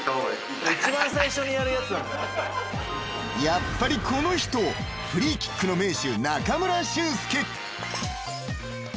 ［やっぱりこの人フリーキックの名手］